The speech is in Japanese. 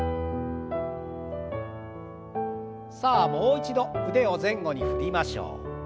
さあもう一度腕を前後に振りましょう。